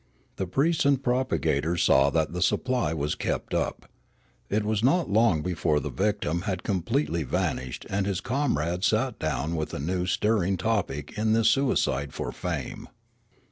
The priests and propagat ors saw that the supply was kept up. It was not long before the victim had completely vanished and his comrades sat down with a new and stirring topic in this suicide for fame.